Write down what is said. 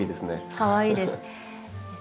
かわいいです。